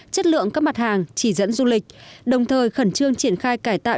chất lượng các mặt hàng chỉ dẫn du lịch đồng thời khẩn trương triển khai cải tạo